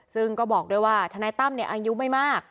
ซึ่งก็บอกด้วยว่าทนายตั้มอายุไม่มาก